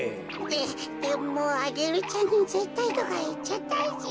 ででもアゲルちゃんにぜったいとかいっちゃったし。